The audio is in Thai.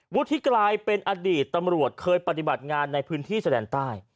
ที่กลายเป็นอดีตตำรวจเคยปฏิบัติงานในพื้นที่แสดงใต้